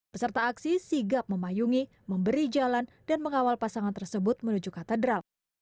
peserta aksi sigap memayungi memberi jalan dan mengawal pasangan tersebut menuju katedral